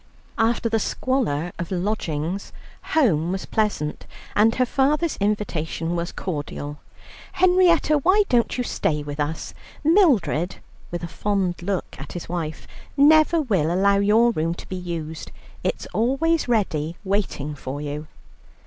After the squalor of lodgings home was pleasant, and her father's invitation was cordial: "Henrietta, why don't you stay with us? Mildred," with a fond look at his wife, "never will allow your room to be used; it's always ready waiting for you."